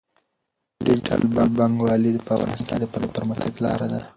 ډیجیټل بانکوالي په افغانستان کې د پرمختګ لاره ده.